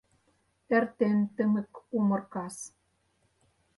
Эртен тымык умыр кас.